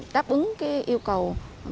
đáp ứng yêu cầu